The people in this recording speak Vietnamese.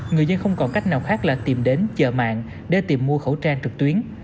người dân không còn cách nào khác là tìm đến chợ mạng để tìm mua khẩu trang trực tuyến